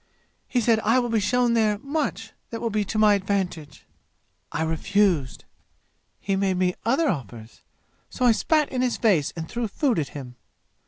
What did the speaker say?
He said I will be shown there much that will be to my advantage. I refused. He made me other offers. So I spat in his face and threw food at him.